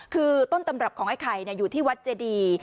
คือต้นตำรับของไอ้ไข่อยู่ที่วัดเจดี